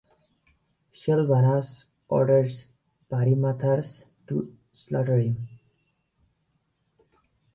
Sylvanas orders Varimathras to slaughter him.